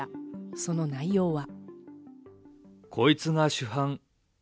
その内容は。